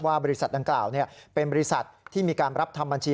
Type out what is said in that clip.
บริษัทดังกล่าวเป็นบริษัทที่มีการรับทำบัญชี